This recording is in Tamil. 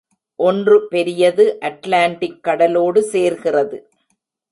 ஒன்று பெரியது அட்லாண்டிக் கடலோடு சேர்கிறது.